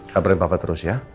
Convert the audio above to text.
kabarin papa terus ya